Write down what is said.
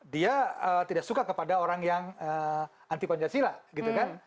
dia tidak suka kepada orang yang anti pancasila gitu kan